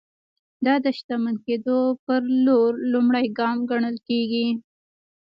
دا د شتمن کېدو پر لور لومړی ګام ګڼل کېږي.